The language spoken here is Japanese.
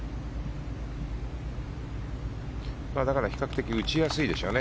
だから、比較的打ちやすいでしょうね。